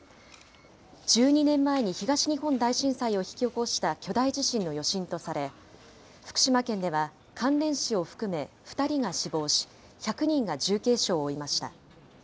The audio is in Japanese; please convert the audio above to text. １２年前に東日本大震災を引き起こした巨大地震の余震とされ、福島県では関連死を含め２人が死亡し、１００人が重軽傷を負いました。